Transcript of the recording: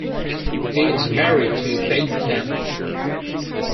He is married to Feyisetan.